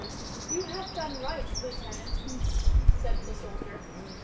"You have done right, Lieutenant," said the soldier.